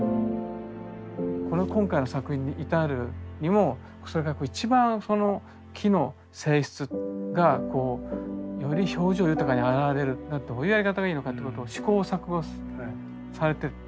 この今回の作品に至るにも一番その木の性質がより表情豊かに現れるにはどういうやり方がいいのかということを試行錯誤されてる？